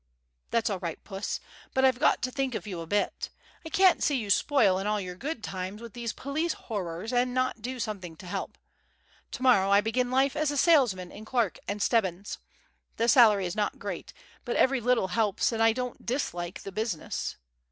"That's all right, Puss; but I've got to think of you a bit. I can't see you spoil all your good times with these police horrors and not do something to help. To morrow I begin life as a salesman in Clarke & Stebbin's. The salary is not great, but every little helps and I don't dislike the business.